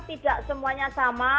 tidak semuanya sama